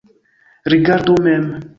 Rigardu mem.